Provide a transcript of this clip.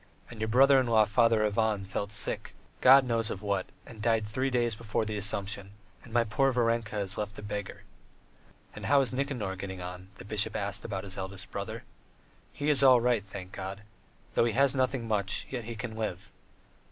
And your brother in law Father Ivan fell sick, God knows of what, and died three days before the Assumption; and my poor Varenka is left a beggar." "And how is Nikanor getting on?" the bishop asked about his eldest brother. "He is all right, thank God. Though he has nothing much, yet he can live.